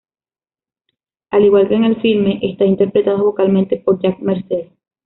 Al igual que en el filme, están interpretados vocalmente por Jack Mercer.